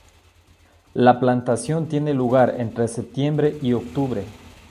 La plantación tiene lugar entre septiembre y octubre.